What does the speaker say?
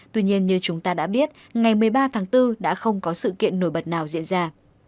tuy nhiên như chúng ta đã biết ngày một mươi ba tháng bốn đã không có sự kiện nổi bật nào diễn ra